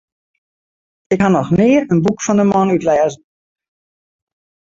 Ik ha noch nea in boek fan de man útlêzen.